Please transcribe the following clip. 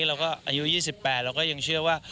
เราก็อายุ๒๘เราก็ยังเชื่อว่า